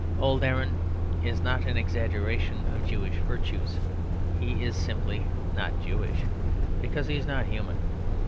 Old Aaron is not an exaggeration of Jewish virtues; he is simply not Jewish, because he is not human.